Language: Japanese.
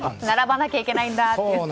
並ばなきゃいけないんだって。